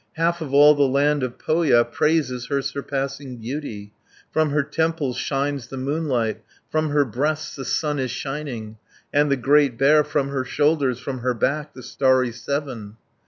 Half of all the land of Pohja Praises her surpassing beauty. From her temples shines the moonlight, From her breasts the sun is shining, 90 And the Great Bear from her shoulders, From her back the starry Seven.